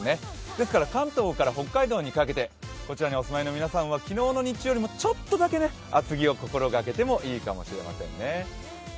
ですから関東から北海道にかけてにお住まいの皆さんは昨日よりちょっとだけ厚着を心がけてもいいかもしれませんね。